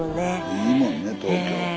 いいもんね東京って。